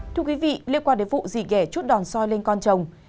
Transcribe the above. thưa quý vị liên quan đến vụ dì ghẻ chút đòn soi lên con chồng